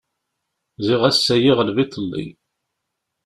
Ziɣ ass-ayi iɣleb iḍelli.